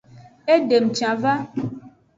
Edem can va.